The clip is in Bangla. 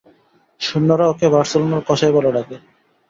সৈন্যরা ওকে বার্সেলোনার কসাই বলে ডাকে।